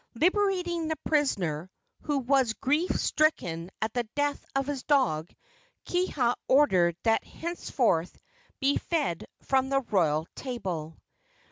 Liberating the prisoner, who was grief stricken at the death of his dog, Kiha ordered that he henceforth be fed from the royal table.